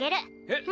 えっ？